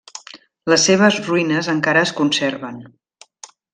Les seves ruïnes encara es conserven.